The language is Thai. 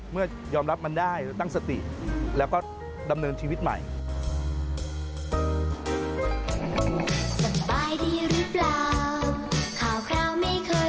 เมื่อยอมรับมันได้ตั้งสติแล้วก็ดำเนินชีวิตใหม่